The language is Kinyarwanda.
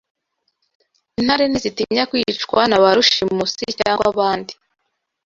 Intare ntizitinya kwicwa na ba rushimusi cyangwa abandi